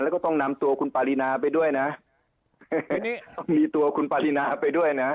แล้วก็ต้องนำตัวคุณปารีนาไปด้วยนะนี่ต้องมีตัวคุณปารีนาไปด้วยนะ